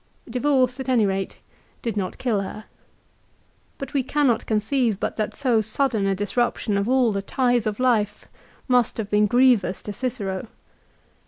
Divorce at any rate did not kill her. But we cannot conceive but that so sudden a disruption of all the ties of life must have been grievous to Cicero.